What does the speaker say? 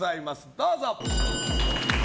どうぞ。